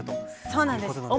そうなんです。